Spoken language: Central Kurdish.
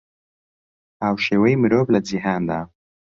هاوشێوەی مرۆڤ لە جیهاندا